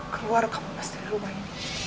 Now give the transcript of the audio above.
keluar kamu pas dari rumah ini